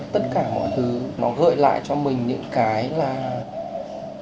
tất cả mọi thứ nó gợi lại cho mình những cái về hà nội xưa